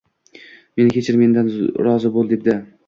Meni kechir, mendan rozi bo`l, debdi